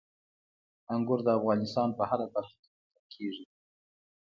انګور د افغانستان په هره برخه کې موندل کېږي.